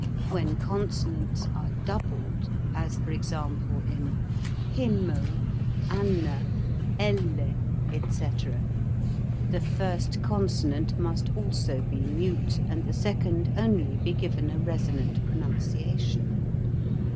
When con sonants are doubled, as, for example, in the first consonant must also be mute and the second only be given a resonant pronunciation.